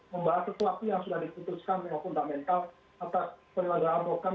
pembahasan kewakilan sudah diputuskan yang fundamental atas penyelenggaraan rokan